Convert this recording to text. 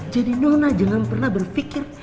jadi nona jangan pernah berpikir